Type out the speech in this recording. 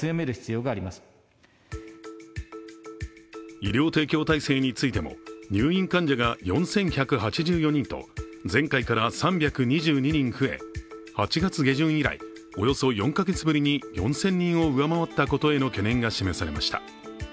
医療提供体制についても入院患者が４１８４人と前回から３２２人増え８月下旬以来、およそ４か月ぶりに４０００人を上回ったことへの懸念が示されました。